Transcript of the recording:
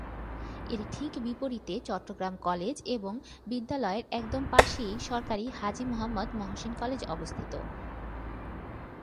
এর ঠিক বিপরীতে চট্টগ্রাম কলেজ এবং বিদ্যালয়ের একদম পাশেই সরকারি হাজী মুহাম্মদ মহসিন কলেজ অবস্থিত।